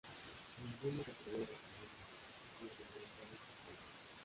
Ninguno se atrevió a recibirlo de atemorizados que estaban.